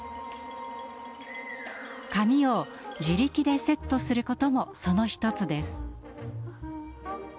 髪を自力でセットすることもその１つです。